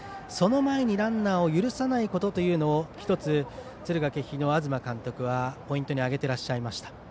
その前にランナーを許さないことというのを１つ、敦賀気比の東監督はポイントに挙げてらっしゃいました。